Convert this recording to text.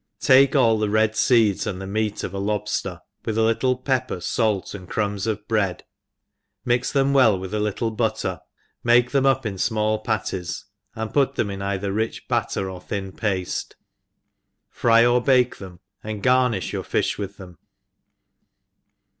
TAKE ^11 the red feeds and the meat of a . lobfter, with a little pepper, fait, and crumbs of bread, mix them well with a little butter^ make them up in fmall patties, and put them ii) inther rich batter or thin pafte, fry or bake fhem^ and garnfiQi your fiih with them.